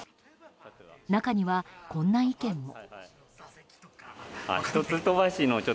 中には、こんな意見も。